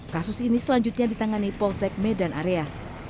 kasus ini selanjutnya ditangani polsek medan area